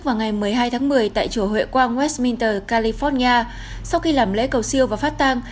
vào ngày một mươi hai tháng một mươi tại chủ hội quang westminster california sau khi làm lễ cầu siêu và phát tang